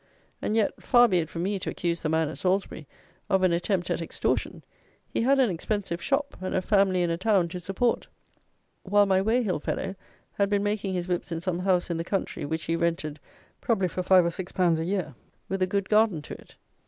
And yet, far be it from me to accuse the man at Salisbury of an attempt at extortion: he had an expensive shop, and a family in a town to support, while my Weyhill fellow had been making his whips in some house in the country, which he rented, probably for five or six pounds a year, with a good garden to it.